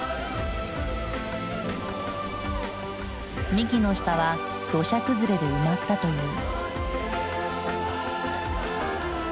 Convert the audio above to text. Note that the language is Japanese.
幹の下は土砂崩れで埋まったという。